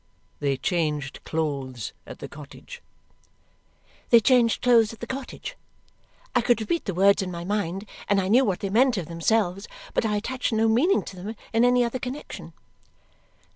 They changed clothes at the cottage." They changed clothes at the cottage. I could repeat the words in my mind, and I knew what they meant of themselves, but I attached no meaning to them in any other connexion.